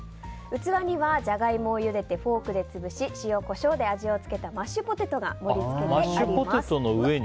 器にはジャガイモをゆでてフォークで潰し塩、コショウで味をつけたマッシュポテトがマッシュポテトの上に。